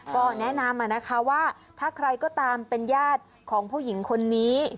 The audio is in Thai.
ก็แนะนำมานะคะว่าถ้าใครก็ตามเป็นญาติของผู้หญิงคนนี้